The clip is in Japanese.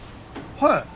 はい。